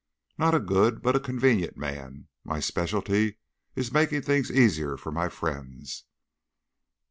"Not a good, but a convenient man. My specialty is making things easier for my friends."